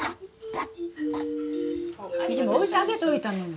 置いてあげといたのに。